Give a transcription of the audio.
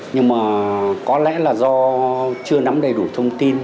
nhưng mà có lẽ là do chưa nắm đầy đủ thông tin